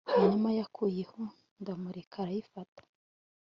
Hanyuma yankuyeho ndamureka arayifata